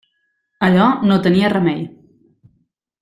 Allò no tenia remei.